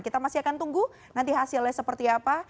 kita masih akan tunggu nanti hasilnya seperti apa